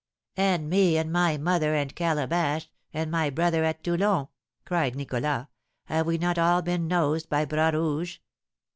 "And me, and my mother, and Calabash, and my brother at Toulon," cried Nicholas; "have we not all been nosed by Bras Rouge?